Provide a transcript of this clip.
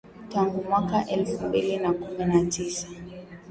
tangu mwaka elfu mbili na kumi na tisa